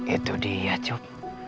itu dia cup